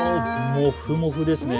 もふもふですね。